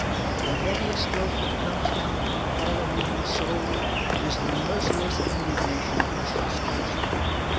The heaviest stroke that comes down upon a fallen woman's soul is the merciless indignation of her sisters.